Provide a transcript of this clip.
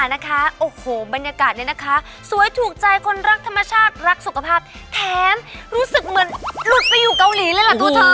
ลุกไปอยู่เกาหลีเลยล่ะตัวเธอ